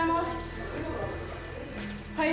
はい。